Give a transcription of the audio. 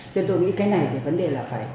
chứ tôi nghĩ cái này thì vấn đề là phải